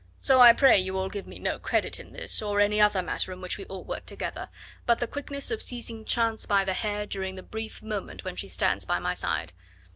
So I pray you all give me no credit in this or any other matter in which we all work together, but the quickness of seizing Chance by the hair during the brief moment when she stands by my side.